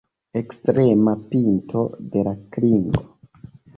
Ekstrema pinto de la klingo.